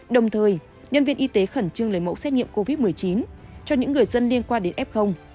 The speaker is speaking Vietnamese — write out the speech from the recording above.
đồng thời nhân viên y tế khẩn trương lấy mẫu xét nghiệm covid một mươi chín cho những người dân liên quan đến f